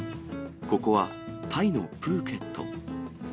ここはタイのプーケット。